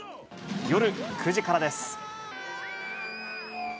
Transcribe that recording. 夜９時からです。